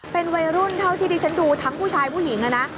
เป็นวัยรุ่นเท่าที่ดิฉันดูทั้งผู้ชายผู้หญิงนะ